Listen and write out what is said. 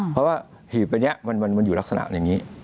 เพราะว่าหีบอันนี้มันอยู่ลักษณะอย่างนี้